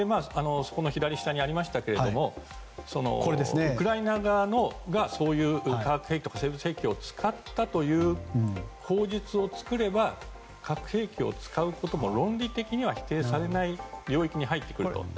そこの左下にありましたけどウクライナ側がそういう化学兵器や生物兵器を使ったという口実を作れば核兵器を使うことも論理的には否定されない領域に入ってくると。